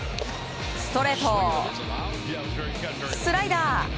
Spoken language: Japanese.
ストレートスライダー。